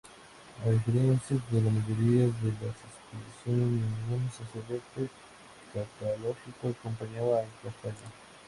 A diferencia de la mayoría de las expediciones, ningún sacerdote católico acompañaba a Castaño.